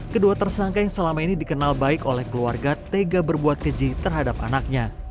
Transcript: kedua tersangka yang selama ini dikenal baik oleh keluarga tega berbuat keji terhadap anaknya